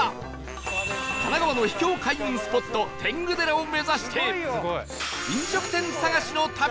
神奈川の秘境開運スポット天狗寺を目指して飲食店探しの旅！